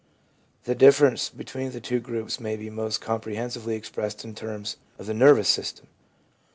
The difference between the two groups may be most comprehensively expressed in terms of the nervous system.